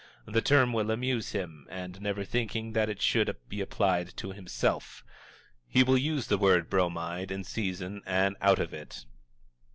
The term will amuse him, and, never thinking that it should be applied to himself, he will use the word "Bromide" in season and out of it.